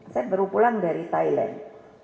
saya baru pulang dari thailand